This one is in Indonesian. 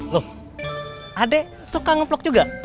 loh ade suka ngevlog juga